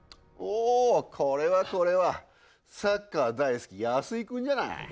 おおこれはこれはサッカー大好き安井くんじゃない。